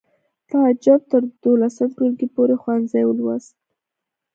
تعجب تر دولسم ټولګي پورې ښوونځی ولوست